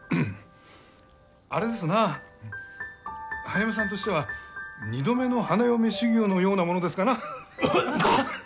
あれですな早梅さんとしては二度目の花嫁修業のようなものですかな